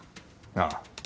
ああ。